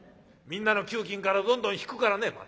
みんなの給金からどんどん引くからね